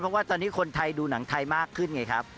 เพราะว่าตอนนี้คนไทยดูหนังไทยมากขึ้นไงครับ